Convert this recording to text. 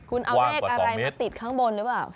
คุณเอาเลขอะไรมาติดข้างบนหรือเปล่า